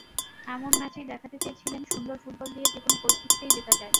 এমন ম্যাচেই দেখাতে চেয়েছিলেন, সুন্দর ফুটবল দিয়ে যেকোনো পরিস্থিতিতেই জেতা যায়।